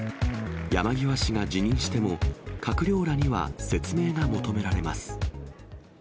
山際氏が辞任しても、閣僚らには説明が求められます。